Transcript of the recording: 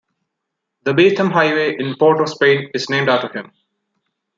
The Beetham Highway in Port of Spain is named after him.